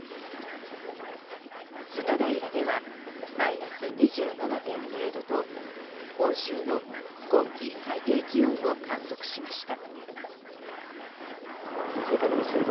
菅平ではマイナス２７．０度と本州の今季最低気温を観測しました。